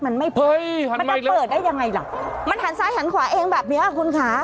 มันไม่พอมันจะเปิดได้ยังไงล่ะมันหันซ้ายหันขวาเองแบบเนี้ยคุณคะ